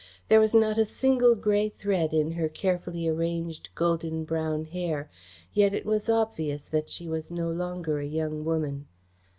There was not a single grey thread in her carefully arranged golden brown hair, yet it was obvious that she was no longer a young woman.